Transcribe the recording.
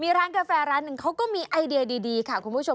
มีร้านกาแฟร้านหนึ่งเขาก็มีไอเดียดีค่ะคุณผู้ชม